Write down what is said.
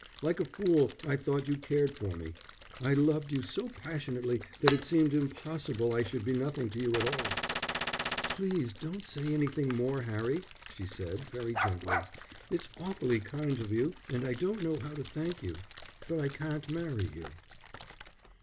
Like a fool, I thought you cared for me. I loved you so passionately that it seemed impossible I should be nothing to you at all." "Please don't say anything more, Harry," she said, very gently. "It's awfully kind of you, and I don't know how to thank you. But I can't marry you."